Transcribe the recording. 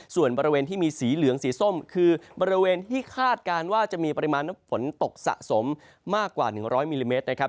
ส่วนบริเวณที่มีสีเหลืองสีส้มคือบริเวณที่คาดการณ์ว่าจะมีปริมาณน้ำฝนตกสะสมมากกว่า๑๐๐มิลลิเมตรนะครับ